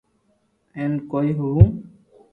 ھون ڪوئي ھووُ